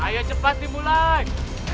ayo cepat dimulai